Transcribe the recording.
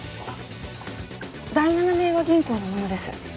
第七明和銀行の者です。